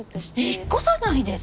引っ越さないです。